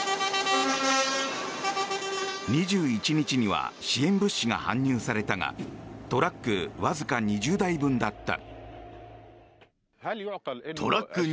２１日には支援物資が搬入されたがトラックわずか２０台分だった。